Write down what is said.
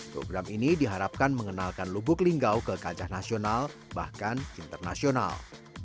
program ini diharapkan mengenalkan lubuk linggau ke kancah nasional bahkan internasional